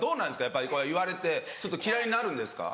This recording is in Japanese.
やっぱりこれ言われてちょっと嫌いになるんですか？